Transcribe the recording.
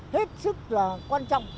hết sức là quan trọng